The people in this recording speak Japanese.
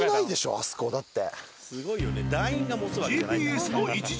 あそこだって。